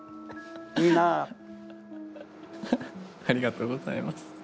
ありがとうございます。